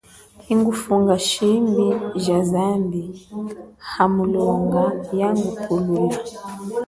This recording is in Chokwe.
Ingufunga shimbi ja zambi, hamulonga, yangupulula.